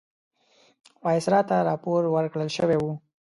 وایسرا ته راپور ورکړل شوی وو.